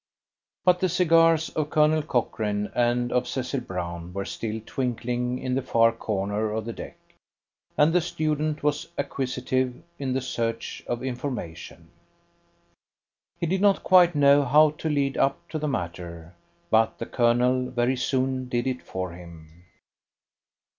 But the cigars of Colonel Cochrane and of Cecil Brown were still twinkling in the far corner of the deck, and the student was acquisitive in the search of information. He did not quite know how to lead up to the matter, but the Colonel very soon did it for him.